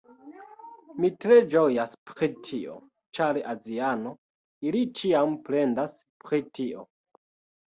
Mi tre ĝojas pri tio! ĉar aziano, ili ĉiam plendas pri tio